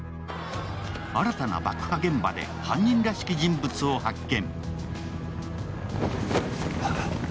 新たな爆破現場で犯人らしき人物を発見。